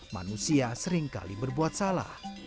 manusia seringkali berbuat salah